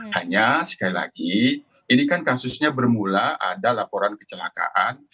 hanya sekali lagi ini kan kasusnya bermula ada laporan kecelakaan